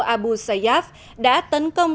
abu sayyaf đã tấn công